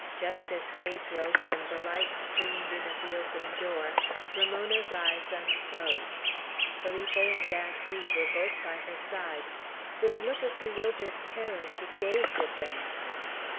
Just as day broke, and the light streamed in at the open door, Ramona's eyes unclosed. Felipe and Aunt Ri were both by her side. With a look of bewildered terror, she gazed at them.